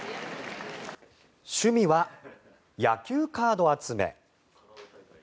趣味は野球カード集め。